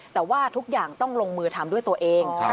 แต่ว่าทุกอย่างต้องลงมือทำด้วยตัวเอง